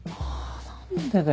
何でだよ。